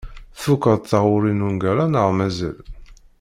Tfukkeḍ taɣuri n ungal-a neɣ mazal?